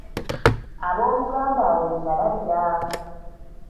Ab'oluganda awo we nnalabira.